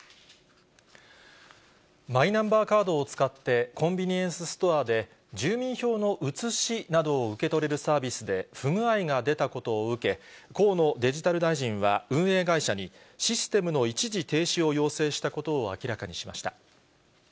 マイナンバーカードを使って、コンビニエンスストアで、住民票の写しなどを受け取れるサービスで不具合が出たことを受け、河野デジタル大臣は、運営会社に、システムの一時停止を要請したことを明らかにしました。